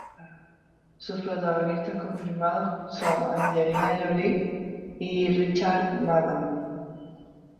Sus protagonistas confirmados son Angelina Jolie y Richard Madden.